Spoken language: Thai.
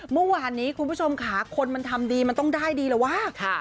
เมื่อวานนี้คุณผู้ชมค่ะคนมันทำดีมันต้องได้ดีแล้ววะ